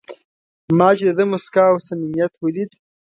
ما چې د ده موسکا او صمیمیت ولید.